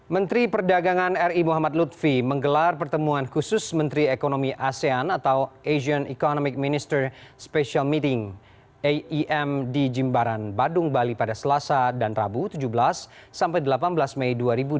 menteri perdagangan ri muhammad lutfi menggelar pertemuan khusus menteri ekonomi asean atau asian economic minister special meeting aem di jimbaran badung bali pada selasa dan rabu tujuh belas sampai delapan belas mei dua ribu dua puluh